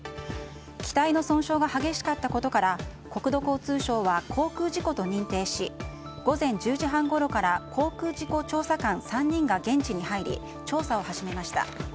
機体の損傷が激しかったことから国土交通省は航空事故と認定し午前１０時半ごろから航空事故調査官３人が現地に入り、調査を始めました。